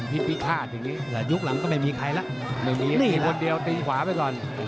พี่ถ้าถ้ายุคลำไม่มีใครและไม่มีคนเดียวตีขวาไว้ต่อ